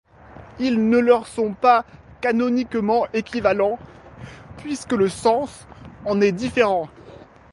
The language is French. Ils ne leur sont pas canoniquement équivalents, puisque le sens en est différent.